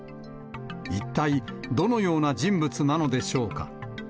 一体どのような人物なのでしょうか。